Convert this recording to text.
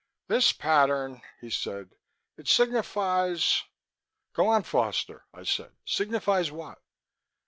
"This pattern," he said. "It signifies...." "Go on, Foster," I said. "Signifies what?"